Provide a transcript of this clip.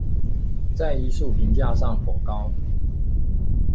在藝術評價上頗高